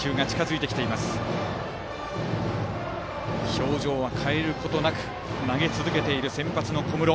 表情は変えることなく投げ続けている先発の小室。